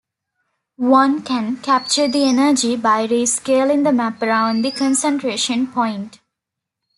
One can capture the energy by rescaling the map around the concentration point.